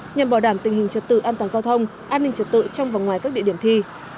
nhằm bảo đảm tình hình trật tự an toàn giao thông an ninh trật tự trong và ngoài các địa điểm thi